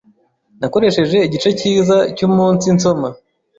Nakoresheje igice cyiza cyumunsi nsoma.